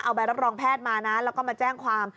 เอาใบรับรองแพทย์มานะแล้วก็มาแจ้งความ